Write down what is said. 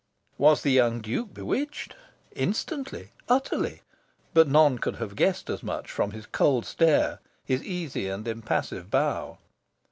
Was the young Duke bewitched? Instantly, utterly. But none could have guessed as much from his cold stare, his easy and impassive bow.